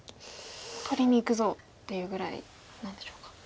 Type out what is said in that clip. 取りにいくぞっていうぐらいなんでしょうか。